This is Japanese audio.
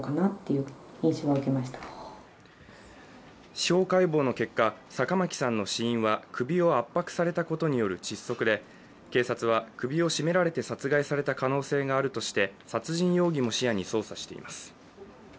司法解剖の結果、坂巻さんの死因は首を圧迫されたことによる窒息で警察は首を絞められて殺害された可能性があるとして、殺人容疑も視野に捜査しています。